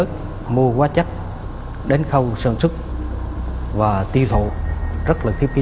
cái khâu quá chắc đến khâu sản xuất và tiêu thụ rất là khiếp khí